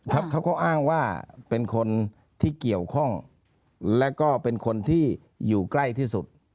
เขาก็อ้างว่าเป็นคนที่เกี่ยวข้องและก็เป็นคนที่อยู่ใกล้ที่สุด